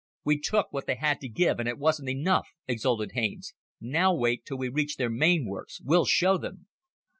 "We took what they had to give, and it wasn't enough," exulted Haines. "Now wait till we reach their main works. We'll show them!"